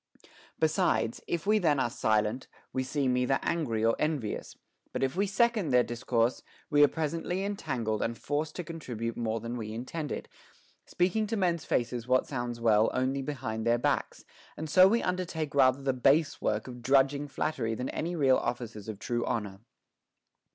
Besides, if we then are silent, we seem either angry or envious ; but if we second their discourse, we are presently entangled and forced to contribute more than we intended, speaking to men's faces what sounds well only behind their backs ; and so we undertake rather the base work of drudging flattery than any real offices of true honor.